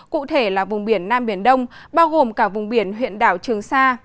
cụ thể là vùng biển nam biển đông bao gồm cả vùng biển huyện đảo trường sa